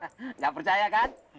nggak percaya kan